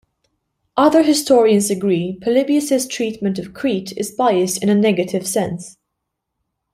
Other historians agree Polybius' treatment of Crete is biased in a negative sense.